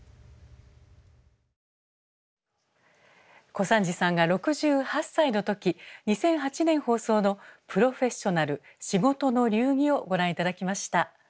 小三治さんが６８歳の時２００８年放送の「プロフェッショナル仕事の流儀」をご覧頂きました。